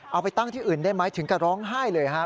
เอาไปตั้งที่อื่นได้ไหมถึงกับร้องไห้เลยครับ